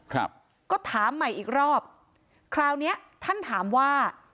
ครับก็ถามใหม่อีกรอบคราวเนี้ยท่านถามว่า